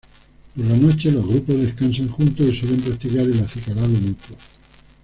Por la noche los grupos descansan juntos y suelen practicar el acicalado mutuo.